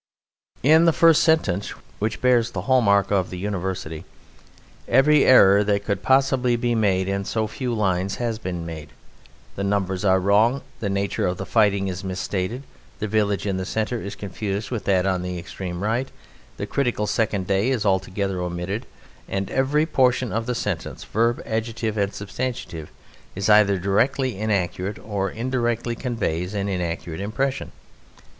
In the first sentence (which bears the hall mark of the University) every error that could possibly be made in so few lines has been made. The numbers are wrong; the nature of the fighting is misstated; the village in the centre is confused with that on the extreme right; the critical second day is altogether omitted, and every portion of the sentence, verb, adjective, and substantive, is either directly inaccurate or indirectly conveys an inaccurate impression.